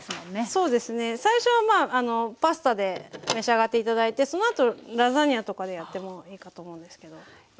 そうですね最初はまあパスタで召し上がって頂いてその後ラザニアとかでやってもいいかと思うんですけど。